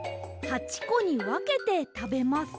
８こにわけてたべます。